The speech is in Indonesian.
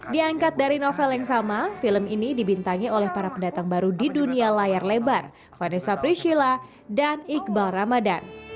diangkat dari novel yang sama film ini dibintangi oleh para pendatang baru di dunia layar lebar vanessa priscila dan iqbal ramadan